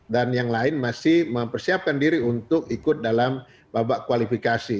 dan yang lain masih mempersiapkan diri untuk ikut dalam babak kualifikasi